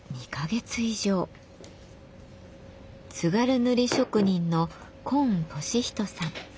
津軽塗職人の今年人さん。